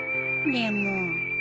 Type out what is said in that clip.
でも？